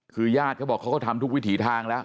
คือญาติเขาบอกเขาก็ทำทุกวิถีทางแล้ว